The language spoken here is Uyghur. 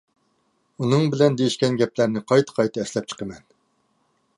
ئۇنىڭ بىلەن دېيىشكەن گەپلەرنى قايتا قايتا ئەسلەپ چىقىمەن.